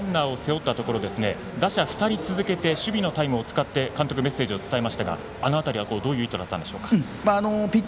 ２人ランナーを背負って打者２人続けて守備のタイムを使って監督はメッセージを伝えましたがどういう意図だったんでしょうか。